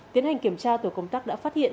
tiến hành kiểm tra tổ công tác đã phát hiện